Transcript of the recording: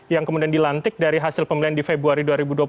yang kemudian dilantik dari hasil pemilihan di februari dua ribu dua puluh empat